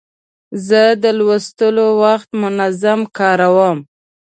زه د لوستلو وخت منظم کاروم.